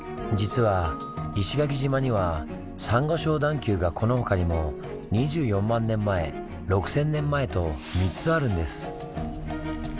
実は石垣島にはサンゴ礁段丘がこの他にも２４万年前６，０００年前と３つあるんです。